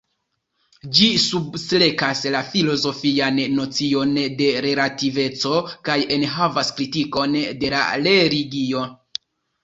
Ĝi substrekas la filozofian nocion de relativeco kaj enhavas kritikon de la religio.